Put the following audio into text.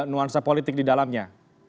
nuansa politik di dalamnya